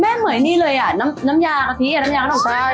แม่เหมือนนี่เลยอ่ะน้ำน้ำยากะทิอ่ะน้ำยาก็ต้องใช้ใช่